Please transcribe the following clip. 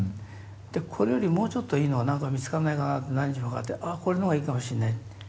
でこれよりもうちょっといいのが何か見つかんないかな」って何日もかかって「あっこれの方がいいかもしんない」って。